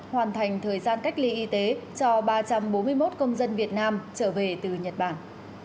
hoàn thành thời gian cách ly y tế cho ba trăm bốn mươi một công dân việt nam trở về từ nhật bản